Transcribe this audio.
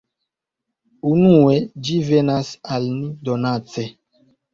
Unue, ĝi venas al ni donace.